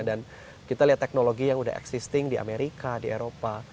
dan kita lihat teknologi yang udah existing di amerika di eropa